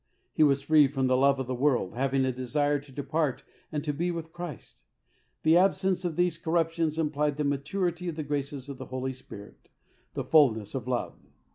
He was free from the love of the world, having a desire to depart and to be with Christ. The absence of these corruptions implied the maturity of the graces of the Holy Spirit — the fulness of love.